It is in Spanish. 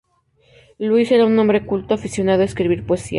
Luis era un hombre culto, aficionado a escribir poesía.